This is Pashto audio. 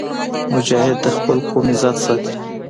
مجاهد د خپل قوم عزت ساتي.